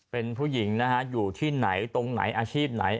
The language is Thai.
เป็นผู้หญิงนะฮะอยู่ที่ไหนตรงไหนอาชีพไหน